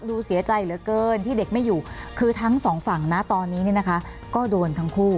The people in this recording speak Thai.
ดูเสียใจเหลือเกินที่เด็กไม่อยู่คือทั้งสองฝั่งนะตอนนี้เนี่ยนะคะก็โดนทั้งคู่